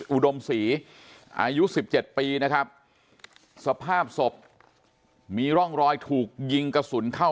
อุดมศรีอายุ๑๗ปีนะครับสภาพศพมีร่องรอยถูกยิงกระสุนเข้า